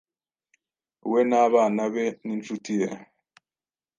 we n’abana be n’inshuti ye